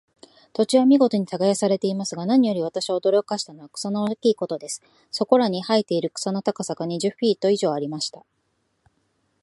土地は見事に耕されていますが、何より私を驚かしたのは、草の大きいことです。そこらに生えている草の高さが、二十フィート以上ありました。